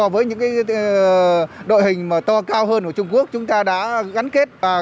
với những đội hình to cao hơn của trung quốc chúng ta đã gắn kết